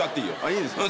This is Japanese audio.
いいですか？